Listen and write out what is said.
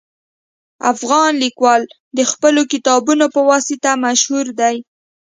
افغان لیکوالان د خپلو کتابونو په واسطه مشهور دي